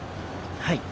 はい。